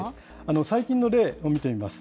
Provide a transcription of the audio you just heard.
最近の例を見て見ます。